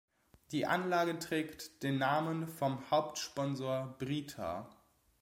Die Anlage trägt den Namen vom Hauptsponsor Brita.